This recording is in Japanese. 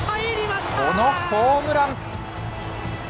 このホームラン。